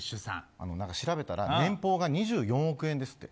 調べたら年俸が２４億円ですって。